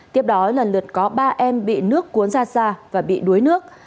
tiếp đó lần lượt có ba em bị nước cuốn ra xa và bị đuối nước